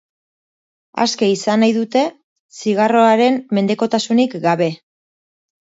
Aske izan nahi dute, zigarroaren mendekotasunik gabe.